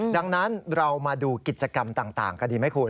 ดังนั้นเรามาดูกิจกรรมต่างกันดีไหมคุณ